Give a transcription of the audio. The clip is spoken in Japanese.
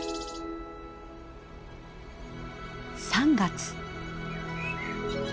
３月。